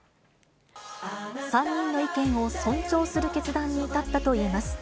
３人の意見を尊重する決断に至ったといいます。